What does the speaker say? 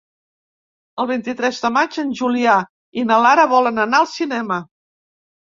El vint-i-tres de maig en Julià i na Lara volen anar al cinema.